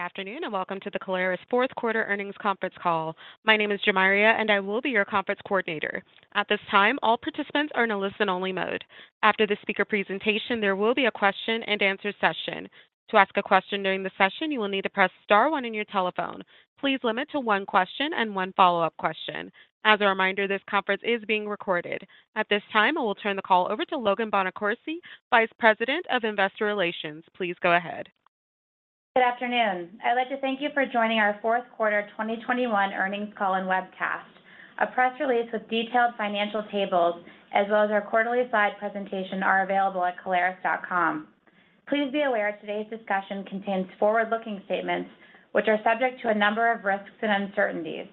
Good afternoon, and welcome to the Caleres fourth quarter earnings conference call. My name is Jamaria, and I will be your Conference Coordinator. At this time, all participants are in a listen-only mode. After the speaker presentation, there will be a question and answer session. To ask a question during the session, you will need to press star one on your telephone. Please limit to one question and one follow-up question. As a reminder, this conference is being recorded. At this time, I will turn the call over to Logan Bonacorsi, Vice President of Investor Relations. Please go ahead. Good afternoon. I'd like to thank you for joining our fourth quarter 2021 earnings call and webcast. A press release with detailed financial tables, as well as our quarterly slide presentation are available at caleres.com. Please be aware today's discussion contains forward-looking statements, which are subject to a number of risks and uncertainties.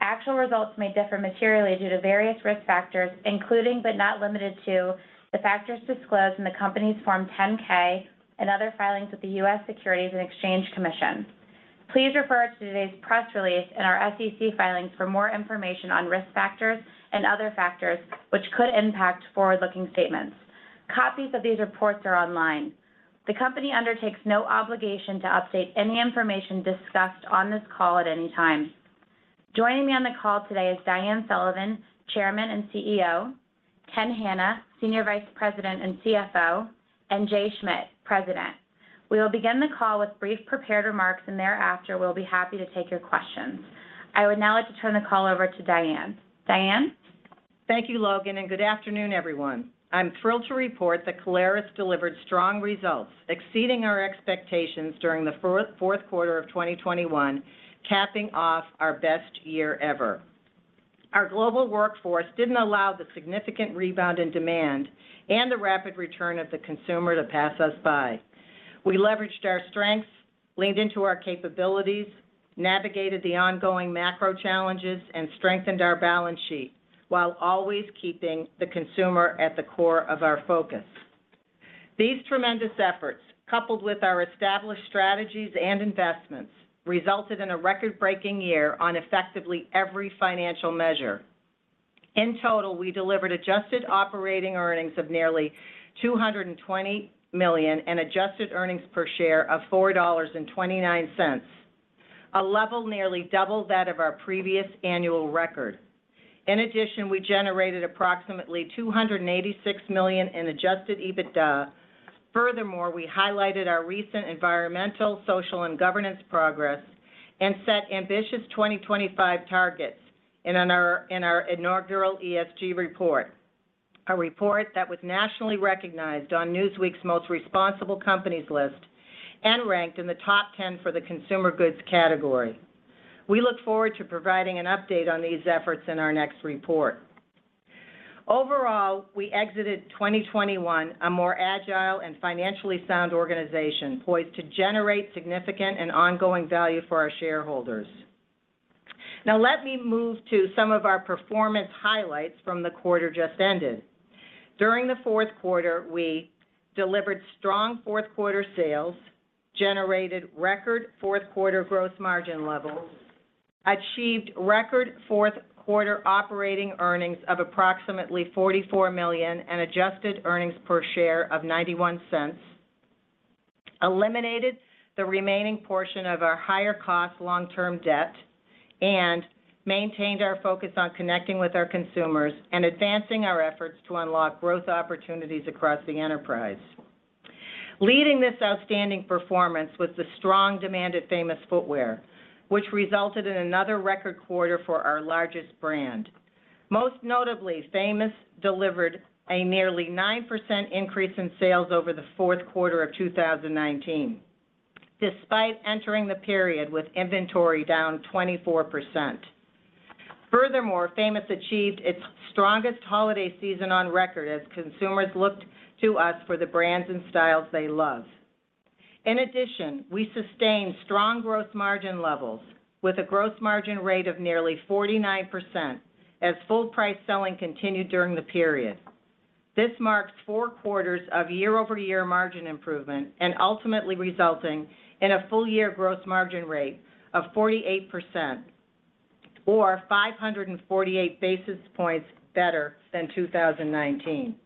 Actual results may differ materially due to various risk factors, including, but not limited to, the factors disclosed in the company's Form 10-K and other filings with the U.S. Securities and Exchange Commission. Please refer to today's press release and our SEC filings for more information on risk factors and other factors which could impact forward-looking statements. Copies of these reports are online. The company undertakes no obligation to update any information discussed on this call at any time. Joining me on the call today is Diane Sullivan, Chairman and CEO, Ken Hanna, Senior Vice President and CFO, and Jay Schmidt, President. We will begin the call with brief prepared remarks, and thereafter, we'll be happy to take your questions. I would now like to turn the call over to Diane. Diane? Thank you, Logan, and good afternoon, everyone. I'm thrilled to report that Caleres delivered strong results, exceeding our expectations during the fourth quarter of 2021, capping off our best year ever. Our global workforce didn't allow the significant rebound in demand and the rapid return of the consumer to pass us by. We leveraged our strengths, leaned into our capabilities, navigated the ongoing macro challenges, and strengthened our balance sheet, while always keeping the consumer at the core of our focus. These tremendous efforts, coupled with our established strategies and investments, resulted in a record-breaking year on effectively every financial measure. In total, we delivered adjusted operating earnings of nearly $220 million and adjusted earnings per share of $4.29, a level nearly double that of our previous annual record. In addition, we generated approximately $286 million in adjusted EBITDA. Furthermore, we highlighted our recent environmental, social, and governance progress and set ambitious 2025 targets in our inaugural ESG report, a report that was nationally recognized on Newsweek's Most Responsible Companies list and ranked in the top 10 for the consumer goods category. We look forward to providing an update on these efforts in our next report. Overall, we exited 2021 a more agile and financially sound organization poised to generate significant and ongoing value for our shareholders. Now, let me move to some of our performance highlights from the quarter just ended. During the fourth quarter, we delivered strong fourth quarter sales, generated record fourth quarter gross margin levels, achieved record fourth quarter operating earnings of approximately $44 million and adjusted earnings per share of $0.91, eliminated the remaining portion of our higher cost long-term debt, and maintained our focus on connecting with our consumers and advancing our efforts to unlock growth opportunities across the enterprise. Leading this outstanding performance was the strong demand at Famous Footwear, which resulted in another record quarter for our largest brand. Most notably, Famous delivered a nearly 9% increase in sales over the fourth quarter of 2019, despite entering the period with inventory down 24%. Furthermore, Famous achieved its strongest holiday season on record as consumers looked to us for the brands and styles they love. In addition, we sustained strong gross margin levels with a gross margin rate of nearly 49% as full price selling continued during the period. This marks four quarters of year-over-year margin improvement and ultimately resulting in a full year gross margin rate of 48% or 548 basis points better than 2019.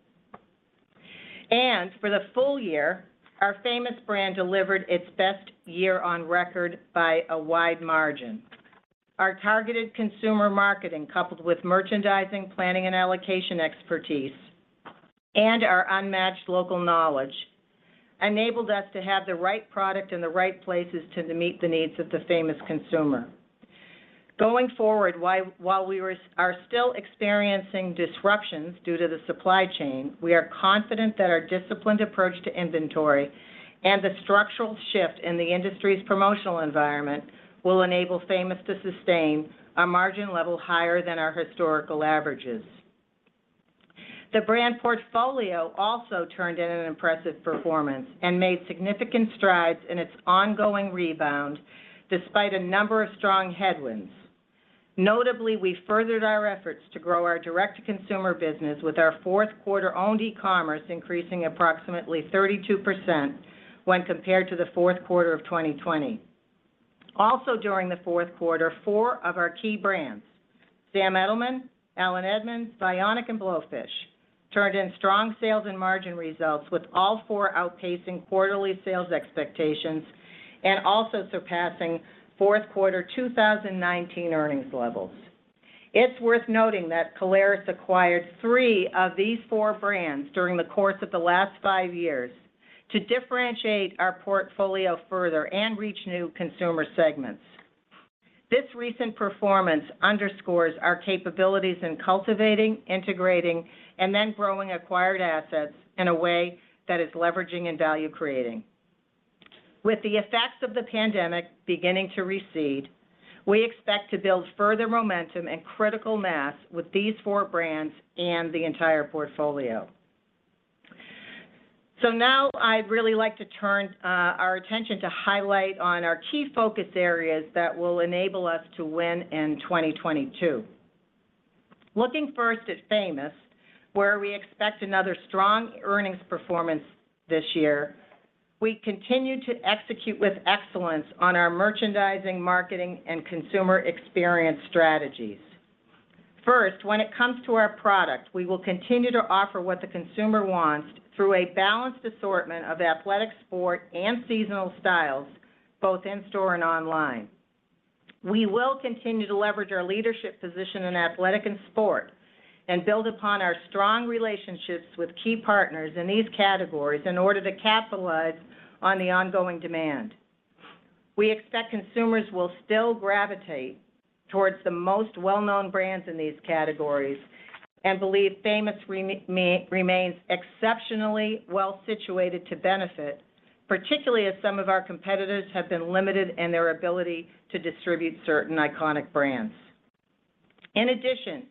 For the full year, our Famous brand delivered its best year on record by a wide margin. Our targeted consumer marketing, coupled with merchandising, planning, and allocation expertise, and our unmatched local knowledge, enabled us to have the right product in the right places to meet the needs of the Famous consumer. Going forward, while we are still experiencing disruptions due to the supply chain, we are confident that our disciplined approach to inventory and the structural shift in the industry's promotional environment will enable Famous to sustain a margin level higher than our historical averages. The Brand Portfolio also turned in an impressive performance and made significant strides in its ongoing rebound despite a number of strong headwinds. Notably, we furthered our efforts to grow our direct-to-consumer business with our fourth quarter owned e-commerce increasing approximately 32% when compared to the fourth quarter of 2020. Also during the fourth quarter, four of our key brands, Sam Edelman, Allen Edmonds, Vionic and Blowfish turned in strong sales and margin results, with all four outpacing quarterly sales expectations and also surpassing fourth quarter 2019 earnings levels. It's worth noting that Caleres acquired three of these four brands during the course of the last five years to differentiate our portfolio further and reach new consumer segments. This recent performance underscores our capabilities in cultivating, integrating, and then growing acquired assets in a way that is leveraging and value creating. With the effects of the pandemic beginning to recede, we expect to build further momentum and critical mass with these four brands and the entire portfolio. Now I'd really like to turn our attention to highlight on our key focus areas that will enable us to win in 2022. Looking first at Famous, where we expect another strong earnings performance this year, we continue to execute with excellence on our merchandising, marketing, and consumer experience strategies. First, when it comes to our product, we will continue to offer what the consumer wants through a balanced assortment of athletic, sport, and seasonal styles, both in-store and online. We will continue to leverage our leadership position in athletic and sport and build upon our strong relationships with key partners in these categories in order to capitalize on the ongoing demand. We expect consumers will still gravitate towards the most well-known brands in these categories and believe Famous remains exceptionally well situated to benefit, particularly as some of our competitors have been limited in their ability to distribute certain iconic brands. In addition,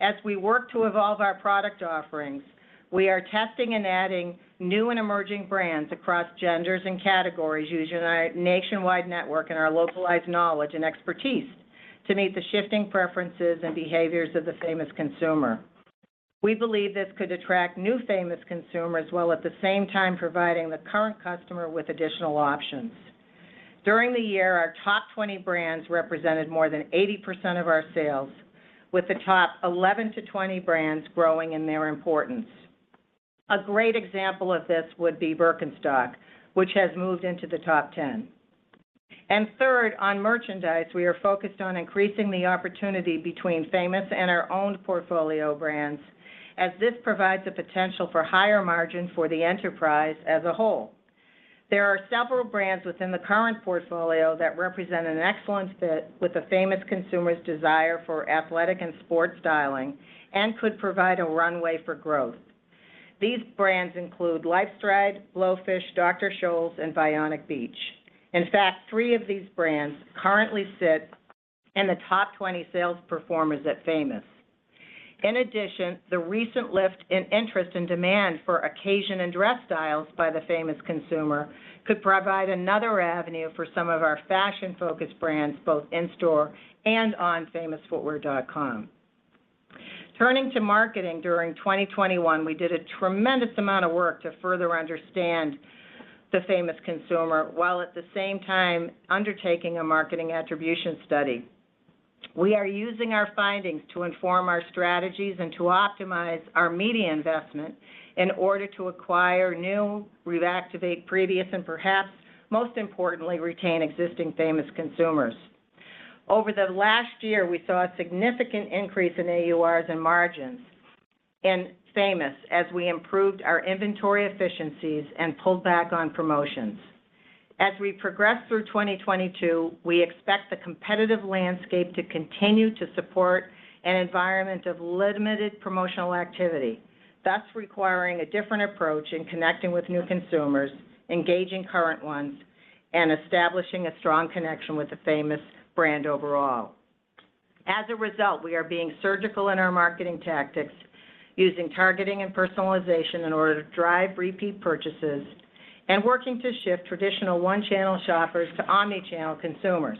as we work to evolve our product offerings, we are testing and adding new and emerging brands across genders and categories using our nationwide network and our localized knowledge and expertise to meet the shifting preferences and behaviors of the Famous consumer. We believe this could attract new Famous consumers, while at the same time providing the current customer with additional options. During the year, our top 20 brands represented more than 80% of our sales, with the top 11-20 brands growing in their importance. A great example of this would be Birkenstock, which has moved into the top 10. Third, on merchandise, we are focused on increasing the opportunity between Famous and our owned portfolio brands, as this provides the potential for higher margin for the enterprise as a whole. There are several brands within the current portfolio that represent an excellent fit with the Famous consumer's desire for athletic and sport styling and could provide a runway for growth. These brands include LifeStride, Blowfish, Dr. Scholl's, and Vionic Beach. In fact, three of these brands currently sit in the top 20 sales performers at Famous. In addition, the recent lift in interest and demand for occasion and dress styles by the Famous consumer could provide another avenue for some of our fashion-focused brands, both in store and on famousfootwear.com. Turning to marketing, during 2021, we did a tremendous amount of work to further understand the Famous consumer, while at the same time undertaking a marketing attribution study. We are using our findings to inform our strategies and to optimize our media investment in order to acquire new, reactivate previous, and perhaps most importantly, retain existing Famous consumers. Over the last year, we saw a significant increase in AURs and margins in Famous as we improved our inventory efficiencies and pulled back on promotions. As we progress through 2022, we expect the competitive landscape to continue to support an environment of limited promotional activity, thus requiring a different approach in connecting with new consumers, engaging current ones, and establishing a strong connection with the Famous brand overall. As a result, we are being surgical in our marketing tactics, using targeting and personalization in order to drive repeat purchases and working to shift traditional one-channel shoppers to omnichannel consumers.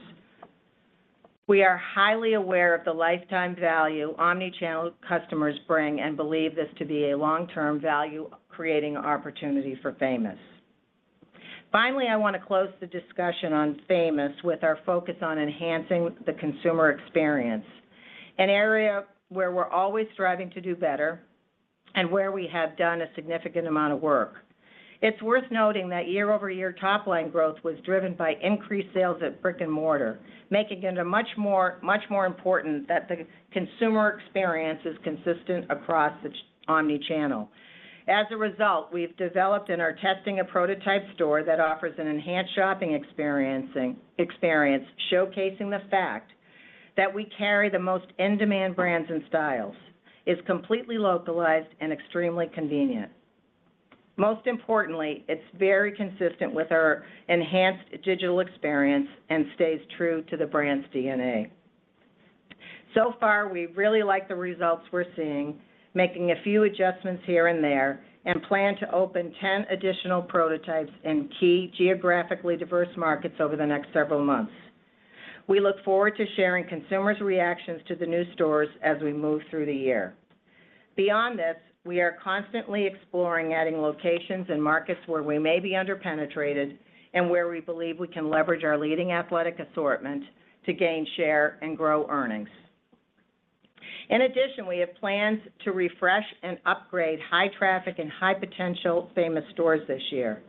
We are highly aware of the lifetime value omnichannel customers bring and believe this to be a long-term value creating opportunity for Famous. Finally, I wanna close the discussion on Famous with our focus on enhancing the consumer experience, an area where we're always striving to do better and where we have done a significant amount of work. It's worth noting that year-over-year top line growth was driven by increased sales at brick and mortar, making it much more important that the consumer experience is consistent across the omnichannel. As a result, we've developed and are testing a prototype store that offers an enhanced shopping experience, showcasing the fact that we carry the most in-demand brands and styles, is completely localized, and extremely convenient. Most importantly, it's very consistent with our enhanced digital experience and stays true to the brand's DNA. So far, we really like the results we're seeing, making a few adjustments here and there, and plan to open 10 additional prototypes in key geographically diverse markets over the next several months. We look forward to sharing consumers' reactions to the new stores as we move through the year. Beyond this, we are constantly exploring adding locations in markets where we may be under-penetrated and where we believe we can leverage our leading athletic assortment to gain share and grow earnings. In addition, we have plans to refresh and upgrade high-traffic and high-potential Famous stores this year.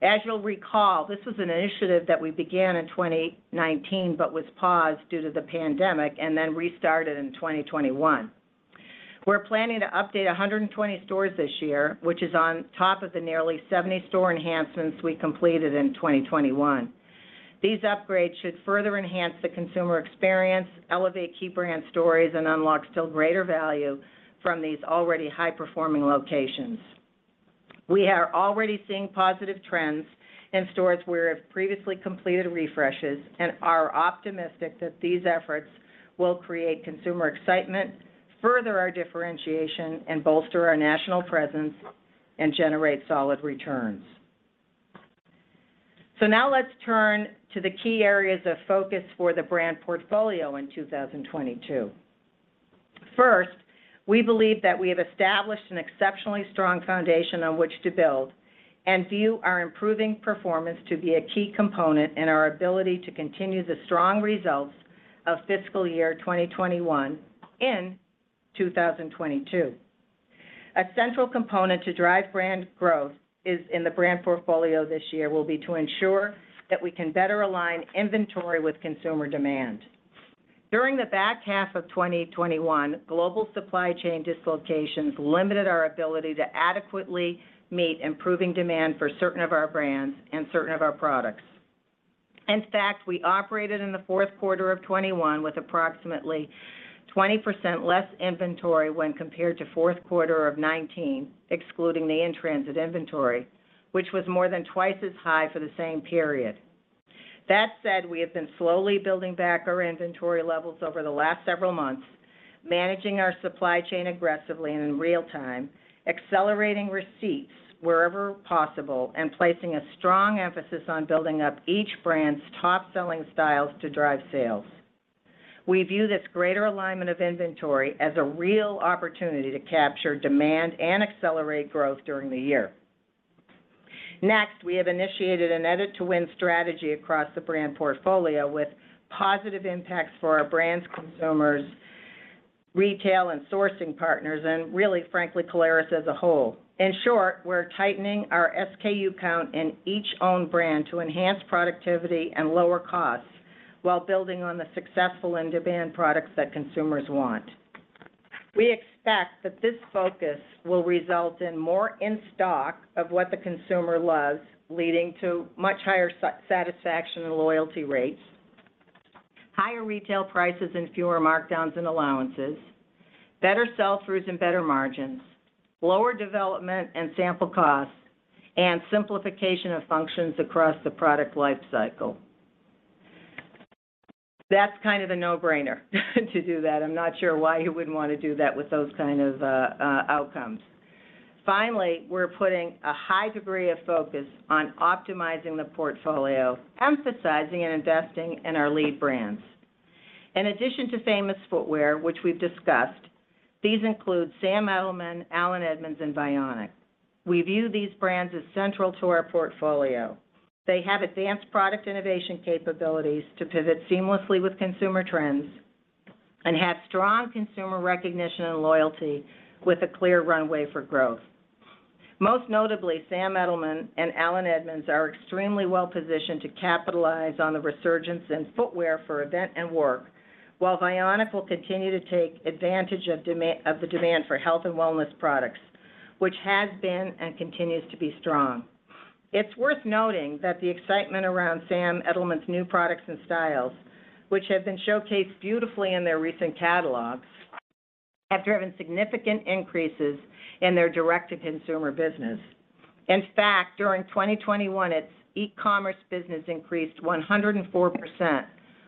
As you'll recall, this was an initiative that we began in 2019, but was paused due to the pandemic and then restarted in 2021. We're planning to update 120 stores this year, which is on top of the nearly 70 store enhancements we completed in 2021. These upgrades should further enhance the consumer experience, elevate key brand stories, and unlock still greater value from these already high-performing locations. We are already seeing positive trends in stores where we have previously completed refreshes and are optimistic that these efforts will create consumer excitement, further our differentiation, and bolster our national presence and generate solid returns. Now let's turn to the key areas of focus for the Brand Portfolio in 2022. First, we believe that we have established an exceptionally strong foundation on which to build and view our improving performance to be a key component in our ability to continue the strong results of fiscal year 2021 in 2022. A central component to drive brand growth is in the Brand Portfolio this year will be to ensure that we can better align inventory with consumer demand. During the back half of 2021, global supply chain dislocations limited our ability to adequately meet improving demand for certain of our brands and certain of our products. In fact, we operated in the fourth quarter of 2021 with approximately 20% less inventory when compared to fourth quarter of 2019, excluding the in-transit inventory, which was more than twice as high for the same period. That said, we have been slowly building back our inventory levels over the last several months, managing our supply chain aggressively and in real time, accelerating receipts wherever possible, and placing a strong emphasis on building up each brand's top-selling styles to drive sales. We view this greater alignment of inventory as a real opportunity to capture demand and accelerate growth during the year. Next, we have initiated an Edit to Win strategy across the Brand Portfolio with positive impacts for our brands, consumers, retail, and sourcing partners, and really, frankly, Caleres as a whole. In short, we're tightening our SKU count in each own brand to enhance productivity and lower costs while building on the successful in-demand products that consumers want. We expect that this focus will result in more in-stock of what the consumer loves, leading to much higher satisfaction and loyalty rates, higher retail prices and fewer markdowns and allowances, better sell-throughs and better margins, lower development and sample costs, and simplification of functions across the product lifecycle. That's kind of a no-brainer to do that. I'm not sure why you wouldn't want to do that with those kind of outcomes. Finally, we're putting a high degree of focus on optimizing the portfolio, emphasizing and investing in our lead brands. In addition to Famous Footwear, which we've discussed, these include Sam Edelman, Allen Edmonds, and Vionic. We view these brands as central to our portfolio. They have advanced product innovation capabilities to pivot seamlessly with consumer trends and have strong consumer recognition and loyalty with a clear runway for growth. Most notably, Sam Edelman and Allen Edmonds are extremely well-positioned to capitalize on the resurgence in footwear for event and work, while Vionic will continue to take advantage of the demand for health and wellness products, which has been and continues to be strong. It's worth noting that the excitement around Sam Edelman's new products and styles, which have been showcased beautifully in their recent catalogs, have driven significant increases in their direct-to-consumer business. In fact, during 2021, its e-commerce business increased 104%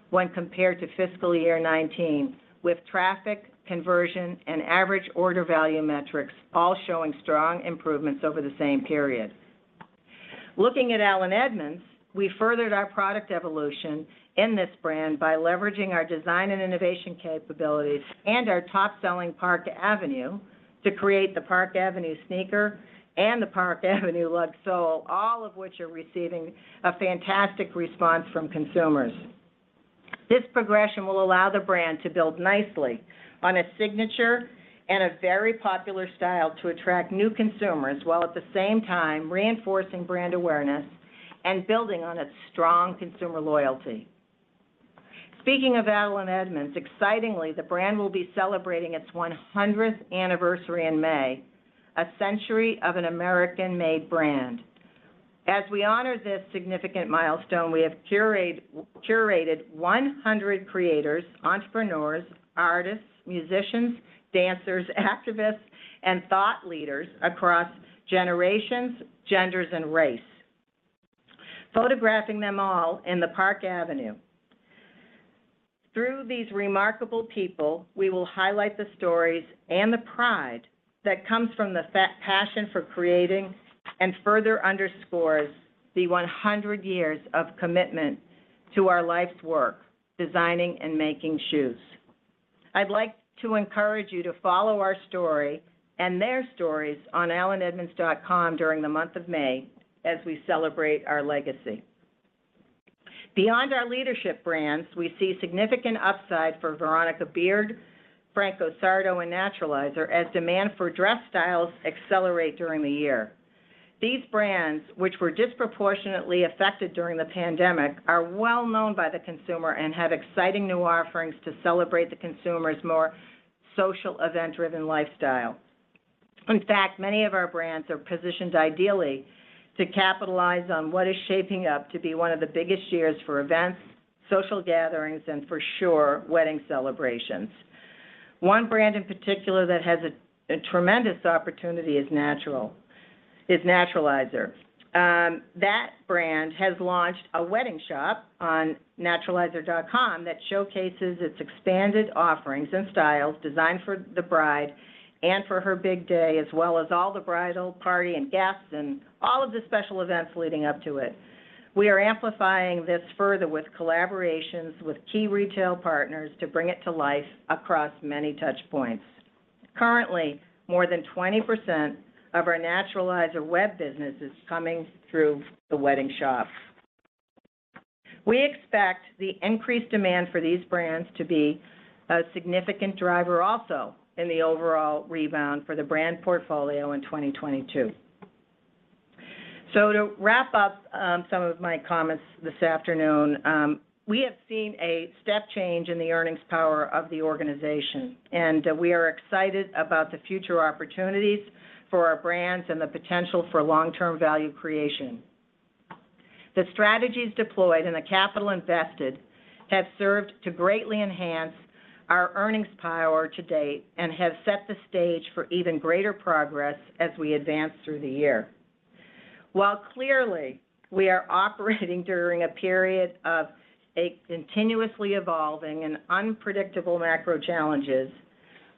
when compared to fiscal year 2019, with traffic, conversion, and average order value metrics all showing strong improvements over the same period. Looking at Allen Edmonds, we furthered our product evolution in this brand by leveraging our design and innovation capabilities and our top-selling Park Avenue to create the Park Avenue sneaker and the Park Avenue lug sole, all of which are receiving a fantastic response from consumers. This progression will allow the brand to build nicely on its signature and a very popular style to attract new consumers, while at the same time reinforcing brand awareness and building on its strong consumer loyalty. Speaking of Allen Edmonds, excitingly, the brand will be celebrating its 100th anniversary in May, a century of an American-made brand. As we honor this significant milestone, we have curated 100 creators, entrepreneurs, artists, musicians, dancers, activists, and thought leaders across generations, genders, and race, photographing them all in the Park Avenue. Through these remarkable people, we will highlight the stories and the pride that comes from the passion for creating and further underscores the 100 years of commitment to our life's work, designing and making shoes. I'd like to encourage you to follow our story and their stories on allenedmonds.com during the month of May as we celebrate our legacy. Beyond our leadership brands, we see significant upside for Veronica Beard, Franco Sarto, and Naturalizer as demand for dress styles accelerate during the year. These brands, which were disproportionately affected during the pandemic, are well known by the consumer and have exciting new offerings to celebrate the consumer's more social event-driven lifestyle. In fact, many of our brands are positioned ideally to capitalize on what is shaping up to be one of the biggest years for events, social gatherings, and for sure, wedding celebrations. One brand in particular that has a tremendous opportunity is Naturalizer. That brand has launched a wedding shop on naturalizer.com that showcases its expanded offerings and styles designed for the bride and for her big day, as well as all the bridal party and guests, and all of the special events leading up to it. We are amplifying this further with collaborations with key retail partners to bring it to life across many touch points. Currently, more than 20% of our Naturalizer web business is coming through the wedding shop. We expect the increased demand for these brands to be a significant driver also in the overall rebound for the Brand Portfolio in 2022. To wrap up, some of my comments this afternoon, we have seen a step change in the earnings power of the organization, and we are excited about the future opportunities for our brands and the potential for long-term value creation. The strategies deployed and the capital invested have served to greatly enhance our earnings power to date and have set the stage for even greater progress as we advance through the year. While clearly we are operating during a period of a continuously evolving and unpredictable macro challenges,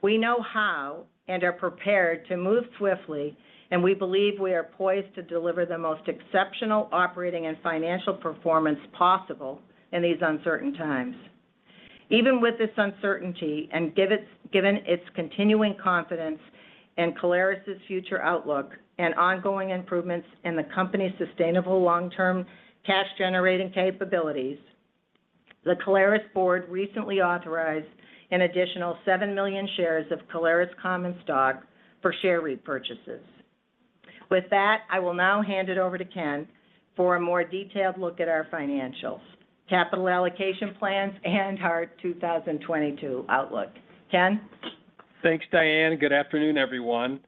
we know how and are prepared to move swiftly, and we believe we are poised to deliver the most exceptional operating and financial performance possible in these uncertain times. Even with this uncertainty, given its continuing confidence in Caleres' future outlook and ongoing improvements in the company's sustainable long-term cash-generating capabilities, the Caleres board recently authorized an additional 7 million shares of Caleres common stock for share repurchases. With that, I will now hand it over to Ken for a more detailed look at our financials, capital allocation plans, and our 2022 outlook. Ken? Thanks, Diane. Good afternoon, everyone.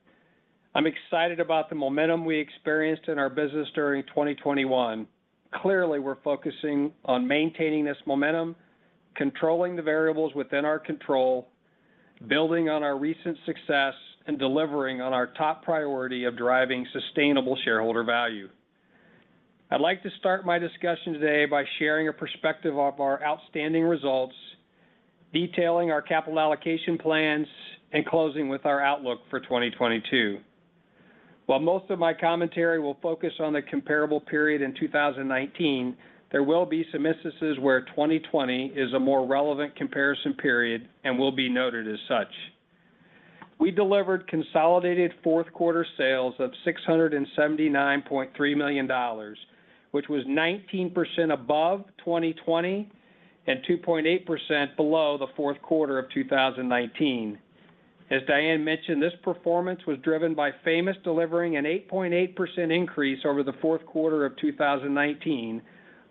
I'm excited about the momentum we experienced in our business during 2021. Clearly, we're focusing on maintaining this momentum, controlling the variables within our control, building on our recent success, and delivering on our top priority of driving sustainable shareholder value. I'd like to start my discussion today by sharing a perspective of our outstanding results, detailing our capital allocation plans, and closing with our outlook for 2022. While most of my commentary will focus on the comparable period in 2019, there will be some instances where 2020 is a more relevant comparison period and will be noted as such. We delivered consolidated fourth quarter sales of $679.3 million, which was 19% above 2020 and 2.8% below the fourth quarter of 2019. As Diane mentioned, this performance was driven by Famous delivering an 8.8 increase over the fourth quarter of 2019,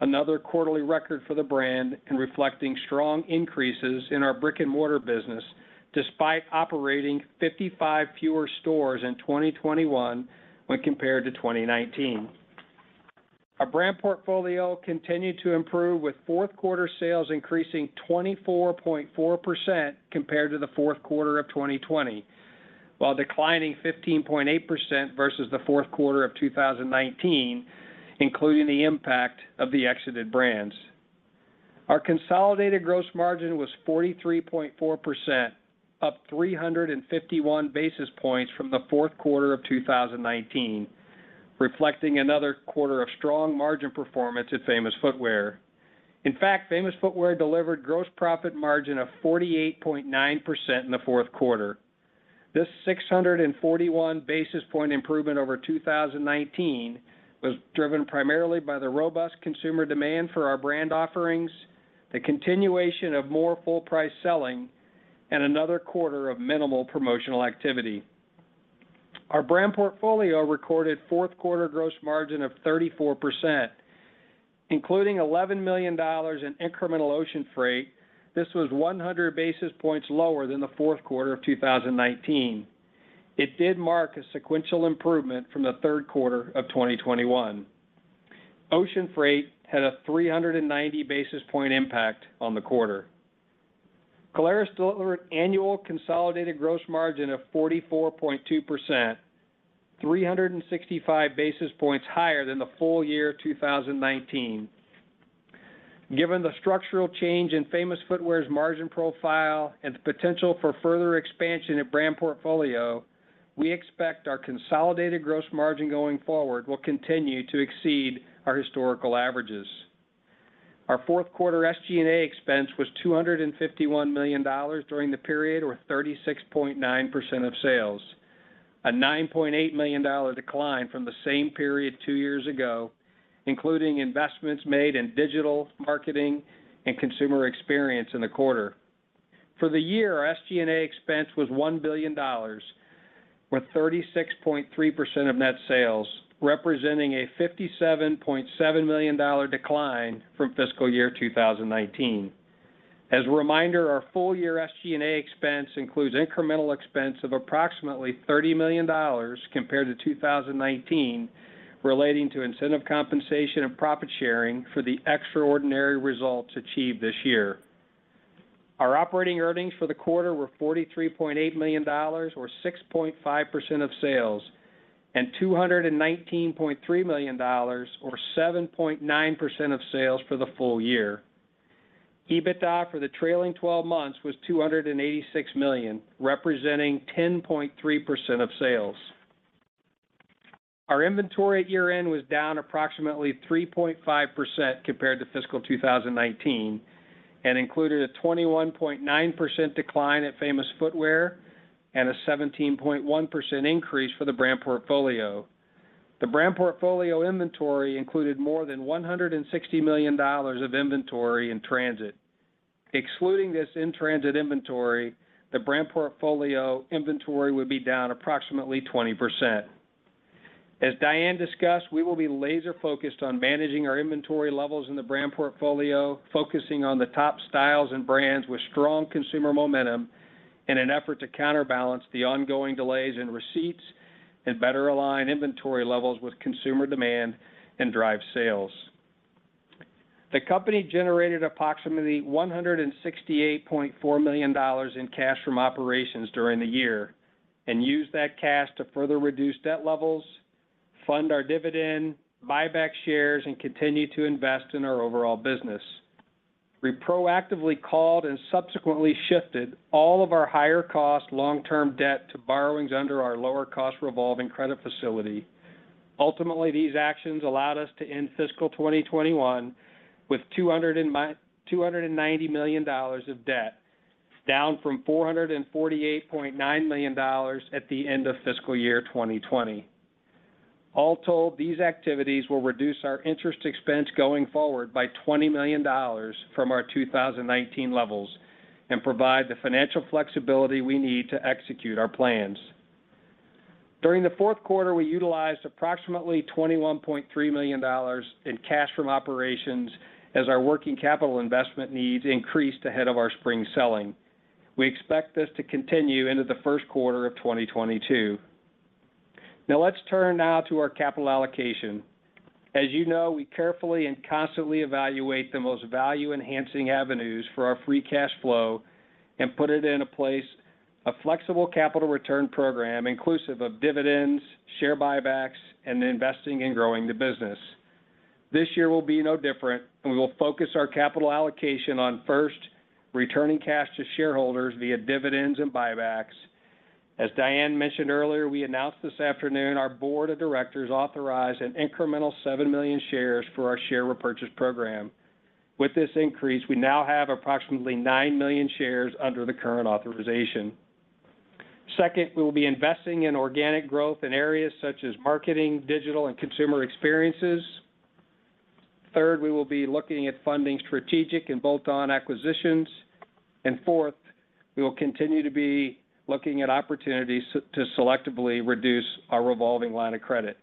another quarterly record for the brand, and reflecting strong increases in our brick-and-mortar business despite operating 55 fewer stores in 2021 when compared to 2019. Our Brand Portfolio continued to improve with fourth quarter sales increasing 24.4% compared to the fourth quarter of 2020, while declining 15.8% versus the fourth quarter of 2019, including the impact of the exited brands. Our consolidated gross margin was 43.4%, up 351 basis points from the fourth quarter of 2019, reflecting another quarter of strong margin performance at Famous Footwear. In fact, Famous Footwear delivered gross profit margin of 48.9% in the fourth quarter. This 641 basis point improvement over 2019 was driven primarily by the robust consumer demand for our brand offerings, the continuation of more full price selling, and another quarter of minimal promotional activity. Our Brand Portfolio recorded fourth quarter gross margin of 34%, including $11 million in incremental ocean freight. This was 100 basis points lower than the fourth quarter of 2019. It did mark a sequential improvement from the third quarter of 2021. Ocean freight had a 390 basis point impact on the quarter. Caleres delivered annual consolidated gross margin of 44.2%, 365 basis points higher than the full year 2019. Given the structural change in Famous Footwear's margin profile and the potential for further expansion of Brand Portfolio. We expect our consolidated gross margin going forward will continue to exceed our historical averages. Our fourth quarter SG&A expense was $251 million during the period, or 36.9% of sales. A $9.8 million decline from the same period two years ago, including investments made in digital marketing and consumer experience in the quarter. For the year, our SG&A expense was $1 billion, with 36.3% of net sales, representing a $57.7 million decline from fiscal year 2019. As a reminder, our full year SG&A expense includes incremental expense of approximately $30 million compared to 2019 relating to incentive compensation and profit sharing for the extraordinary results achieved this year. Our operating earnings for the quarter were $43.8 million, or 6.5% of sales, and $219.3 million, or 7.9% of sales for the full year. EBITDA for the trailing 12 months was $286 million, representing 10.3% of sales. Our inventory at year-end was down approximately 3.5% compared to fiscal 2019 and included a 21.9% decline at Famous Footwear and a 17.1% increase for the Brand Portfolio. The Brand Portfolio inventory included more than $160 million of inventory in transit. Excluding this in-transit inventory, the Brand Portfolio inventory would be down approximately 20%. As Diane discussed, we will be laser-focused on managing our inventory levels in the Brand Portfolio, focusing on the top styles and brands with strong consumer momentum in an effort to counterbalance the ongoing delays in receipts and better align inventory levels with consumer demand and drive sales. The company generated approximately $168.4 million in cash from operations during the year and used that cash to further reduce debt levels, fund our dividend, buy back shares, and continue to invest in our overall business. We proactively called and subsequently shifted all of our higher cost long-term debt to borrowings under our lower cost revolving credit facility. Ultimately, these actions allowed us to end fiscal 2021 with $290 million of debt, down from $448.9 million at the end of fiscal year 2020. All told, these activities will reduce our interest expense going forward by $20 million from our 2019 levels and provide the financial flexibility we need to execute our plans. During the fourth quarter, we utilized approximately $21.3 million in cash from operations as our working capital investment needs increased ahead of our spring selling. We expect this to continue into the first quarter of 2022. Now, let's turn to our capital allocation. As you know, we carefully and constantly evaluate the most value-enhancing avenues for our free cash flow and put it into a flexible capital return program inclusive of dividends, share buybacks, and investing in growing the business. This year will be no different, and we will focus our capital allocation on first, returning cash to shareholders via dividends and buybacks. As Diane mentioned earlier, we announced this afternoon our Board of Directors authorized an incremental 7 million shares for our share repurchase program. With this increase, we now have approximately 9 million shares under the current authorization. Second, we will be investing in organic growth in areas such as marketing, digital, and consumer experiences. Third, we will be looking at funding strategic and bolt-on acquisitions. Fourth, we will continue to be looking at opportunities to selectively reduce our revolving line of credit.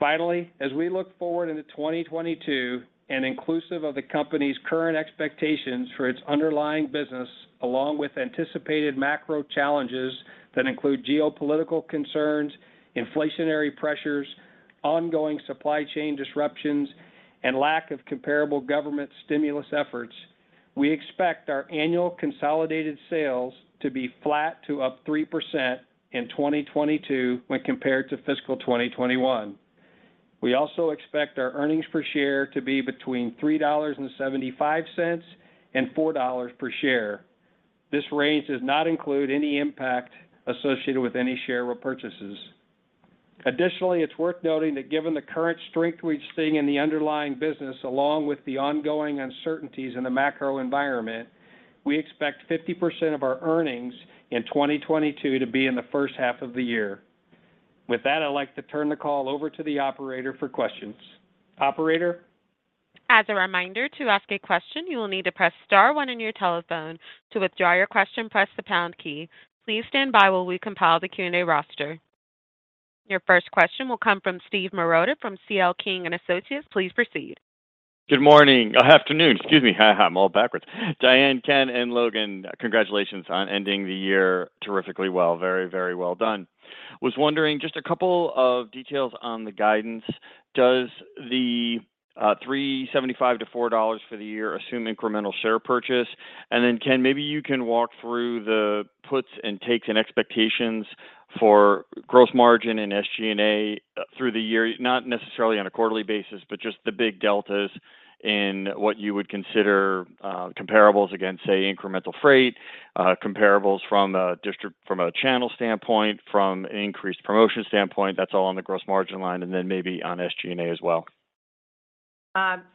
Finally, as we look forward into 2022 and inclusive of the company's current expectations for its underlying business, along with anticipated macro challenges that include geopolitical concerns, inflationary pressures, ongoing supply chain disruptions, and lack of comparable government stimulus efforts, we expect our annual consolidated sales to be flat to up 3% in 2022 when compared to fiscal 2021. We also expect our earnings per share to be between $3.75 and $4 per share. This range does not include any impact associated with any share repurchases. Additionally, it's worth noting that given the current strength we're seeing in the underlying business, along with the ongoing uncertainties in the macro environment, we expect 50% of our earnings in 2022 to be in the first half of the year. With that, I'd like to turn the call over to the operator for questions. Operator? As a reminder, to ask a question, you will need to press star one on your telephone. To withdraw your question, press the pound key. Please stand by while we compile the Q&A roster. Your first question will come from Steven Marotta from C.L. King & Associates. Please proceed. Good morning. Afternoon. Excuse me. I'm all backwards. Diane, Ken, and Logan, congratulations on ending the year terrifically well. Very, very well done. I was wondering just a couple of details on the guidance. Does the $3.75-$4 for the year assume incremental share purchase? Then Ken, maybe you can walk through the puts and takes and expectations for gross margin and SG&A through the year, not necessarily on a quarterly basis, but just the big deltas in what you would consider comparables against, say, incremental freight, comparables from a channel standpoint, from an increased promotion standpoint, that's all on the gross margin line, and then maybe on SG&A as well.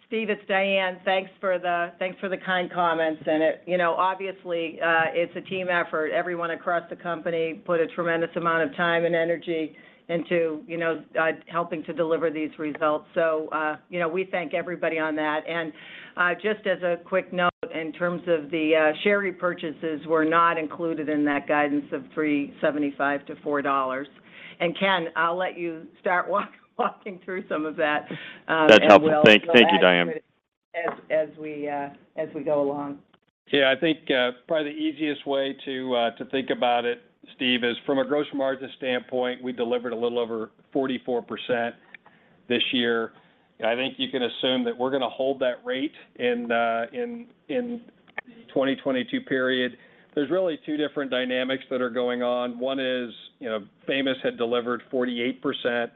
Steve, it's Diane. Thanks for the kind comments. You know, obviously, it's a team effort. Everyone across the company put a tremendous amount of time and energy into, you know, helping to deliver these results. You know, we thank everybody on that. Just as a quick note in terms of the share repurchases were not included in that guidance of $3.75-$4. Ken, I'll let you start walking through some of that, and we'll. That's helpful. Thank you, Diane. We'll add to it as we go along. Yeah. I think, probably the easiest way to think about it, Steve, is from a gross margin standpoint, we delivered a little over 44% this year. I think you can assume that we're gonna hold that rate in the 2022 period. There's really two different dynamics that are going on. One is, you know, Famous had delivered 48%.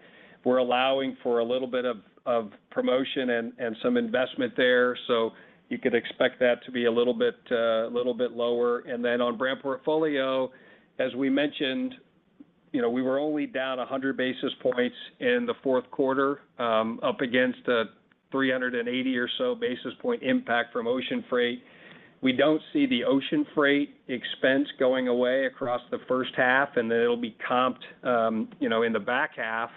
We're allowing for a little bit of promotion and some investment there. So you could expect that to be a little bit lower. On Brand Portfolio, as we mentioned, you know, we were only down 100 basis points in the fourth quarter, up against a 380 or so basis point impact from ocean freight. We don't see the ocean freight expense going away across the first half, and then it'll be comped, you know, in the back half.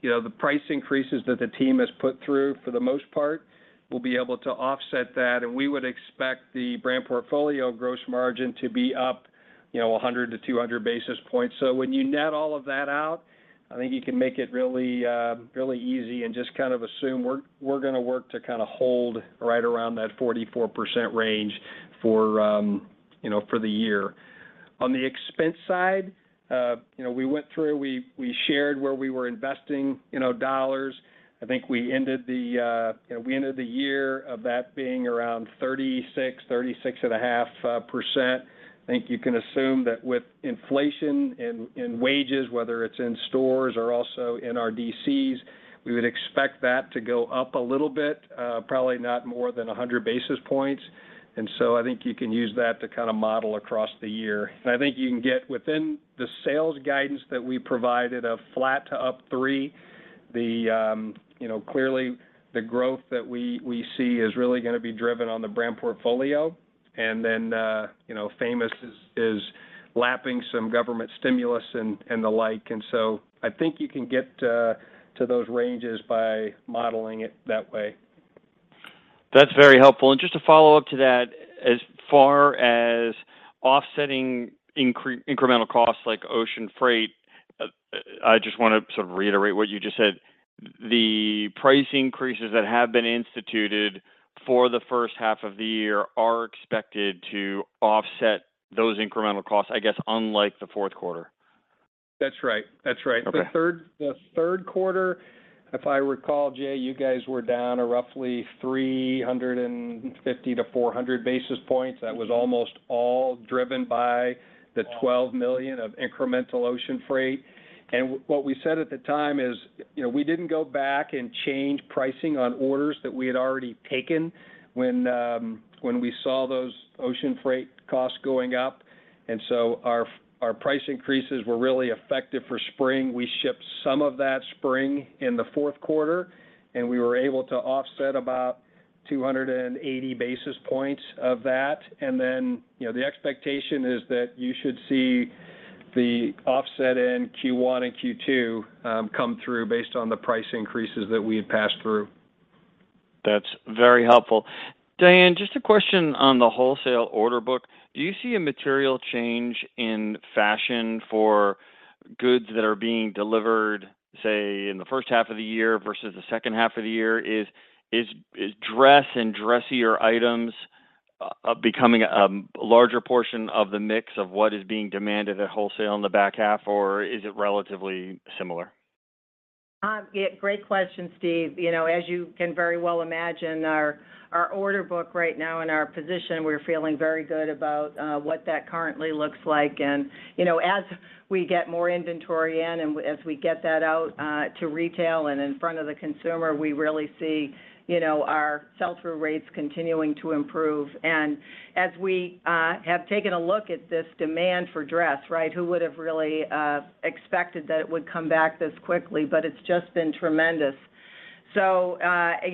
You know, the price increases that the team has put through for the most part will be able to offset that, and we would expect the Brand Portfolio gross margin to be up, you know, 100-200 basis points. When you net all of that out, I think you can make it really, really easy and just kind of assume we're gonna work to kinda hold right around that 44% range for, you know, for the year. On the expense side, you know, we shared where we were investing, you know, dollars. I think we ended the year of that being around 36.5%. I think you can assume that with inflation in wages, whether it's in stores or also in our DCs, we would expect that to go up a little bit, probably not more than 100 basis points. I think you can use that to kinda model across the year. I think you can get within the sales guidance that we provided of flat to up 3%. Clearly the growth that we see is really gonna be driven on the Brand Portfolio. Then Famous is lapping some government stimulus and the like. I think you can get to those ranges by modeling it that way. That's very helpful. Just to follow-up to that, as far as offsetting incremental costs like ocean freight, I just wanna sort of reiterate what you just said. The price increases that have been instituted for the first half of the year are expected to offset those incremental costs, I guess, unlike the fourth quarter. That's right. That's right. Okay. The third quarter, if I recall, Jay, you guys were down roughly 350-400 basis points. That was almost all driven by the $12 million of incremental ocean freight. What we said at the time is, you know, we didn't go back and change pricing on orders that we had already taken when we saw those ocean freight costs going up. Our price increases were really effective for spring. We shipped some of that spring in the fourth quarter, and we were able to offset about 280 basis points of that. You know, the expectation is that you should see the offset in Q1 and Q2 come through based on the price increases that we had passed through. That's very helpful. Diane, just a question on the wholesale order book. Do you see a material change in fashion for goods that are being delivered, say, in the first half of the year versus the second half of the year? Is dress and dressier items becoming a larger portion of the mix of what is being demanded at wholesale in the back half, or is it relatively similar? Yeah, great question, Steve. You know, as you can very well imagine, our order book right now and our position, we're feeling very good about what that currently looks like. You know, as we get more inventory in and as we get that out to retail and in front of the consumer, we really see our sell-through rates continuing to improve. As we have taken a look at this demand for dress, right? Who would have really expected that it would come back this quickly, but it's just been tremendous. You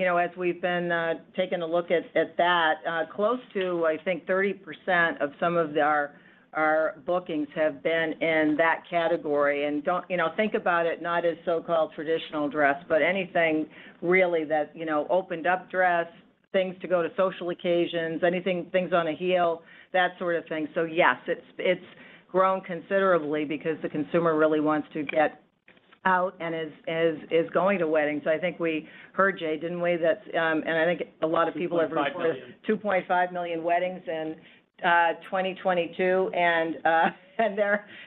know, as we've been taking a look at that, close to, I think, 30% of some of our bookings have been in that category. Don't you know, think about it not as so-called traditional dress, but anything really that. You know, open-toed dress, things to go to social occasions, anything, things on a heel, that sort of thing. Yes, it's grown considerably because the consumer really wants to get out and is going to weddings. I think we heard Jay, didn't we, that, and I think a lot of people have reported. $2.5 million. 2.5 million weddings in 2022.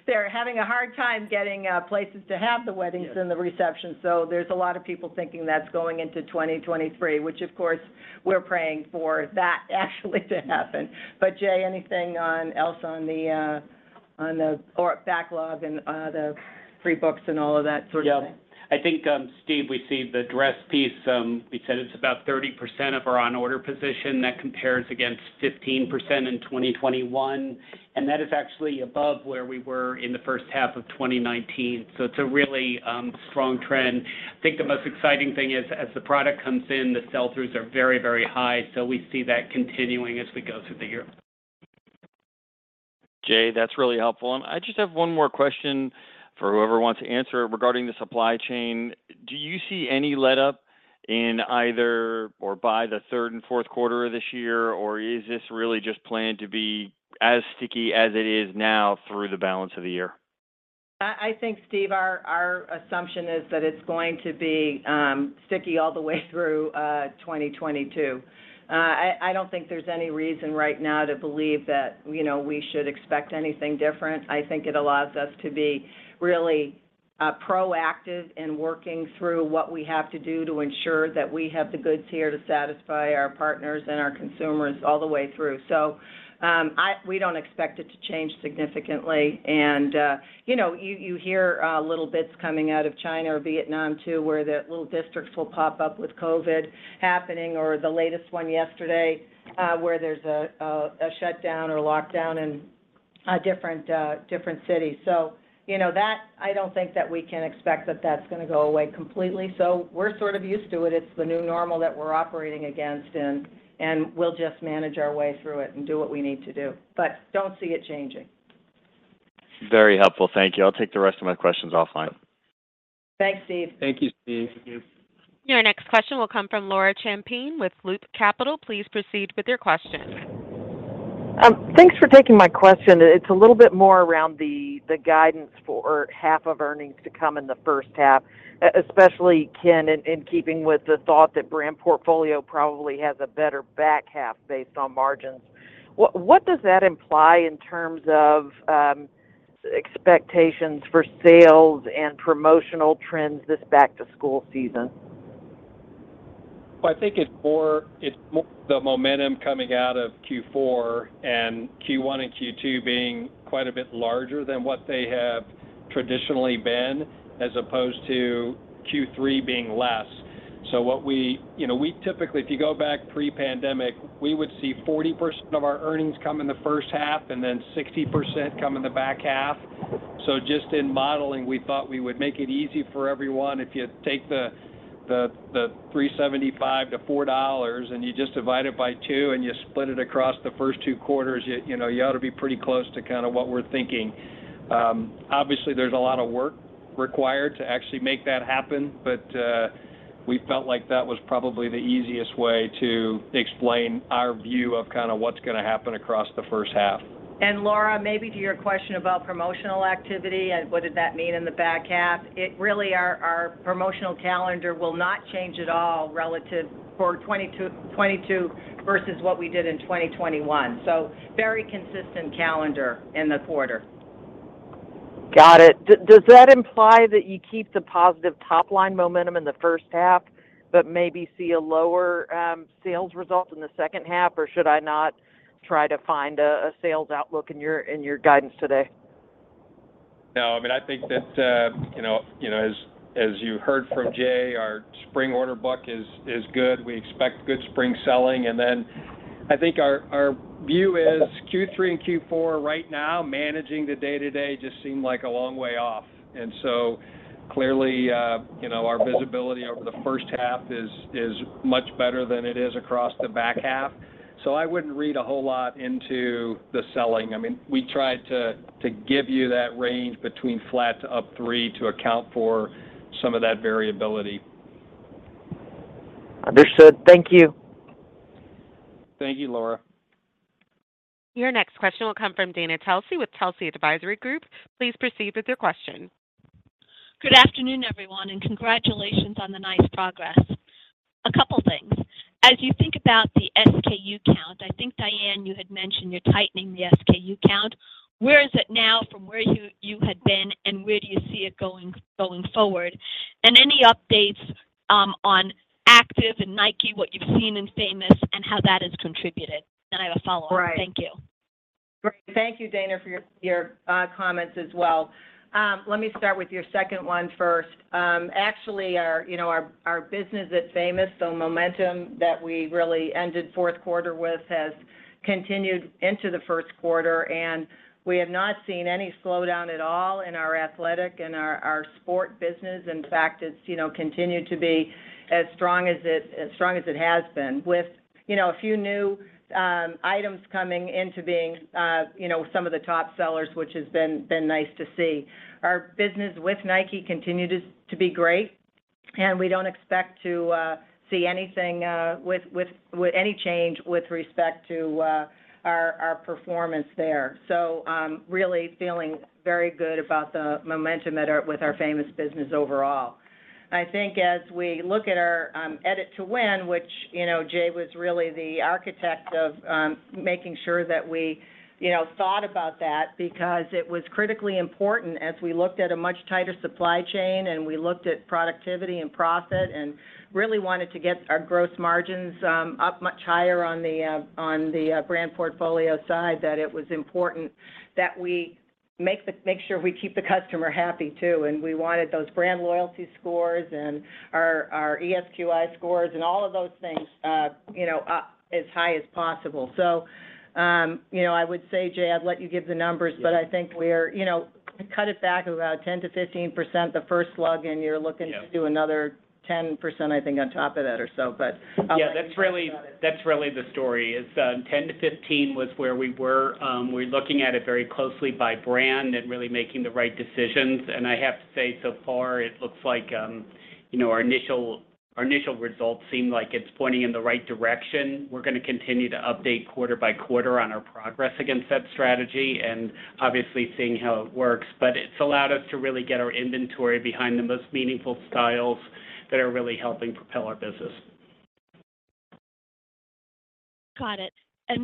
They're having a hard time getting places to have the weddings. Yes. The reception. There's a lot of people thinking that's going into 2023, which of course we're praying for that actually to happen. Jay, anything else on the order backlog and the free cash flow and all of that sort of thing. Yeah. I think, Steve, we see the dress piece, we said it's about 30% of our on order position that compares against 15% in 2021, and that is actually above where we were in the first half of 2019. It's a really, strong trend. I think the most exciting thing is as the product comes in, the sell-throughs are very, very high, so we see that continuing as we go through the year. Jay, that's really helpful. I just have one more question for whoever wants to answer it regarding the supply chain. Do you see any letup in either or by the third and fourth quarter of this year? Or is this really just planned to be as sticky as it is now through the balance of the year? I think, Steve, our assumption is that it's going to be sticky all the way through 2022. I don't think there's any reason right now to believe that, you know, we should expect anything different. I think it allows us to be really proactive in working through what we have to do to ensure that we have the goods here to satisfy our partners and our consumers all the way through. We don't expect it to change significantly. You know, you hear little bits coming out of China or Vietnam too where the little districts will pop up with COVID happening or the latest one yesterday, where there's a shutdown or lockdown in a different city. You know, that, I don't think that we can expect that that's gonna go away completely. We're sort of used to it. It's the new normal that we're operating against and we'll just manage our way through it and do what we need to do. Don't see it changing. Very helpful. Thank you. I'll take the rest of my questions offline. Thanks, Steve. Thank you, Steve. Thank you. Your next question will come from Laura Champine with Loop Capital. Please proceed with your question. Thanks for taking my question. It's a little bit more around the guidance for half of earnings to come in the first half, especially Ken, in keeping with the thought that Brand Portfolio probably has a better back half based on margins. What does that imply in terms of expectations for sales and promotional trends this back to school season? Well, I think it's the momentum coming out of Q4 and Q1 and Q2 being quite a bit larger than what they have traditionally been, as opposed to Q3 being less. What we typically, if you go back pre-pandemic, we would see 40% of our earnings come in the first half and then 60% come in the back half. Just in modeling, we thought we would make it easy for everyone. If you take the $3.75-$4 and you just divide it by two and you split it across the first two quarters, you know you ought to be pretty close to kinda what we're thinking. Obviously there's a lot of work required to actually make that happen. We felt like that was probably the easiest way to explain our view of kinda what's gonna happen across the first half. Laura, maybe to your question about promotional activity and what did that mean in the back half, it really our promotional calendar will not change at all relative for 2022 versus what we did in 2021. Very consistent calendar in the quarter. Got it. Does that imply that you keep the positive top line momentum in the first half but maybe see a lower sales result in the second half? Or should I not try to find a sales outlook in your guidance today? No, I mean, I think that you know, as you heard from Jay, our spring order book is good. We expect good spring selling. I think our view is Q3 and Q4 right now, managing the day-to-day just seem like a long way off. Clearly, you know, our visibility over the first half is much better than it is across the back half. So I wouldn't read a whole lot into the selling. I mean, we tried to give you that range between flat to up 3% to account for some of that variability. Understood. Thank you. Thank you, Laura. Your next question will come from Dana Telsey with Telsey Advisory Group. Please proceed with your question. Good afternoon, everyone, and congratulations on the nice progress. A couple things. As you think about the SKU count, I think, Diane, you had mentioned you're tightening the SKU count. Where is it now from where you had been, and where do you see it going forward? And any updates on Active and Nike, what you've seen in Famous and how that has contributed? I have a follow-on. Right. Thank you. Great. Thank you, Dana, for your comments as well. Let me start with your second one first. Actually, you know, our business at Famous, the momentum that we really ended fourth quarter with has continued into the first quarter, and we have not seen any slowdown at all in our athletic and our sport business. In fact, it's you know continued to be as strong as it has been with you know a few new items coming into being you know some of the top sellers, which has been nice to see. Our business with Nike continued to be great, and we don't expect to see anything with any change with respect to our performance there. Really feeling very good about the momentum with our Famous business overall. I think as we look at our Edit to Win, which, you know, Jay was really the architect of, making sure that we, you know, thought about that because it was critically important as we looked at a much tighter supply chain and we looked at productivity and profit and really wanted to get our gross margins up much higher on the Brand Portfolio side, that it was important that we make sure we keep the customer happy too. We wanted those brand loyalty scores and our eNPS scores and all of those things, you know, up as high as possible. You know, I would say, Jay, I'd let you give the numbers. Yeah. I think we're, you know, we cut it back about 10%-15% the first slug, and you're looking- Yeah. To do another 10% I think on top of that or so. Yeah, that's really. I'll let you talk about it. That's really the story is, 10%-15% was where we were. We're looking at it very closely by brand and really making the right decisions. I have to say so far it looks like, you know, our initial results seem like it's pointing in the right direction. We're gonna continue to update quarter by quarter on our progress against that strategy and obviously seeing how it works. It's allowed us to really get our inventory behind the most meaningful styles that are really helping propel our business. Got it. A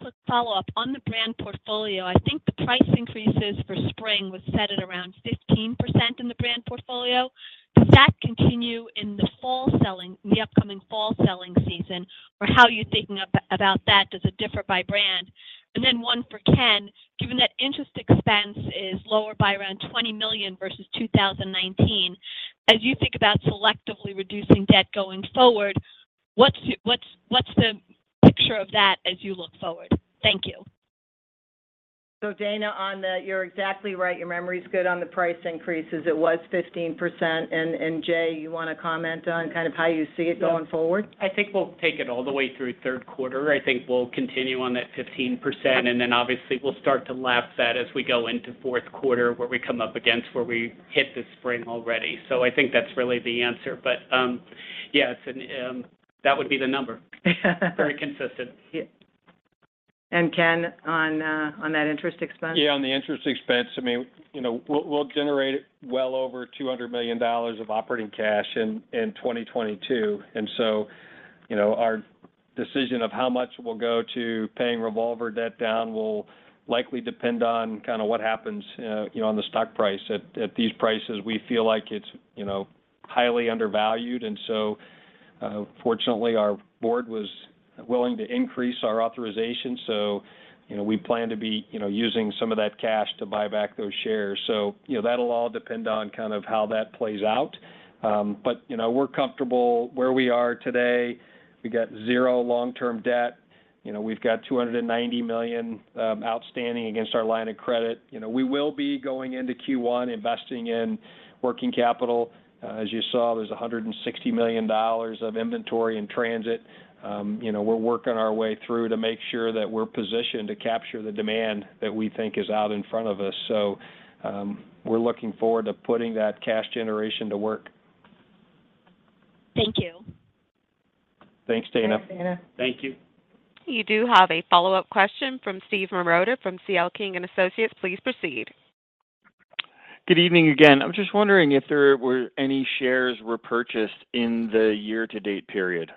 quick follow-up. On the Brand Portfolio, I think the price increases for spring was set at around 15% in the Brand Portfolio. Does that continue in the fall selling, in the upcoming fall selling season, or how are you thinking about that? Does it differ by brand? One for Ken, given that interest expense is lower by around $20 million versus 2019, as you think about selectively reducing debt going forward, what's the picture of that as you look forward? Thank you. Dana, on the. You're exactly right. Your memory's good on the price increases. It was 15%. And Jay, you wanna comment on kind of how you see it going forward? Yeah. I think we'll take it all the way through third quarter. I think we'll continue on that 15%, and then obviously we'll start to lap that as we go into fourth quarter, where we come up against where we hit the spring already. I think that's really the answer. Yes, and that would be the number. Very consistent. Yeah. Ken, on that interest expense? Yeah, on the interest expense, I mean, you know, we'll generate well over $200 million of operating cash in 2022. Our decision of how much will go to paying revolver debt down will likely depend on kinda what happens, you know, on the stock price. At these prices, we feel like it's, you know, highly undervalued. Fortunately our board was willing to increase our authorization. You know, we plan to be, you know, using some of that cash to buy back those shares. You know, that'll all depend on kind of how that plays out. You know, we're comfortable where we are today. We've got zero long-term debt. You know, we've got $290 million outstanding against our line of credit. You know, we will be going into Q1 investing in working capital. As you saw, there's $160 million of inventory in transit. You know, we're working our way through to make sure that we're positioned to capture the demand that we think is out in front of us. We're looking forward to putting that cash generation to work. Thank you. Thanks, Dana. Thanks, Dana. Thank you. You do have a follow-up question from Steven Marotta from C.L. King & Associates. Please proceed. Good evening again. I'm just wondering if there were any shares repurchased in the year to date period.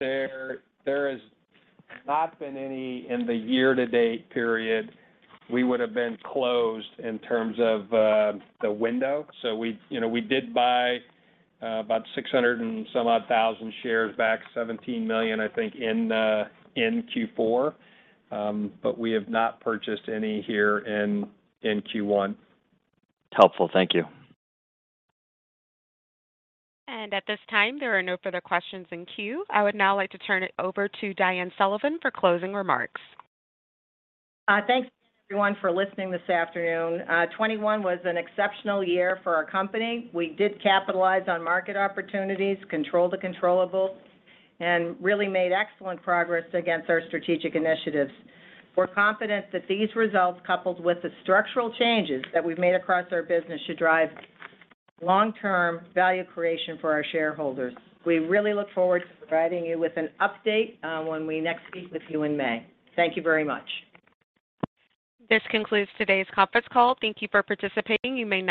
There has not been any in the year to date period. We would've been closed in terms of the window. You know, we did buy about 600,000 shares back, $17 million I think in Q4. We have not purchased any here in Q1. Helpful. Thank you. At this time, there are no further questions in queue. I would now like to turn it over to Diane Sullivan for closing remarks. Thanks everyone for listening this afternoon. 2021 was an exceptional year for our company. We did capitalize on market opportunities, control the controllables, and really made excellent progress against our strategic initiatives. We're confident that these results, coupled with the structural changes that we've made across our business, should drive long-term value creation for our shareholders. We really look forward to providing you with an update when we next speak with you in May. Thank you very much. This concludes today's conference call. Thank you for participating. You may now.